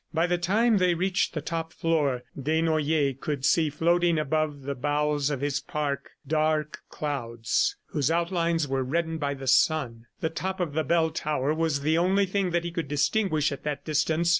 By the time they reached the top floor Desnoyers could see floating above the boughs of his park dark clouds whose outlines were reddened by the sun. The top of the bell tower was the only thing that he could distinguish at that distance.